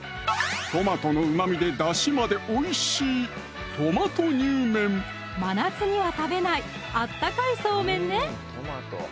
トマトのうまみでだしまでおいしい真夏には食べない温かいそうめんね！